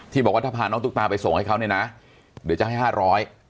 บอกว่าถ้าพาน้องตุ๊กตาไปส่งให้เขาเนี่ยนะเดี๋ยวจะให้ห้าร้อย